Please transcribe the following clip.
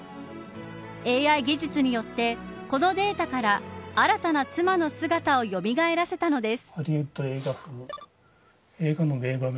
ＡＩ技術によってこのデータから、新たな妻の姿をよみがえらせたのです。